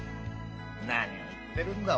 何を言ってるんだ。